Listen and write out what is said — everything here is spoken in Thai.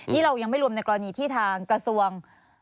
นี่เรายังไม่รวมในกรณีที่ทางกระทรวง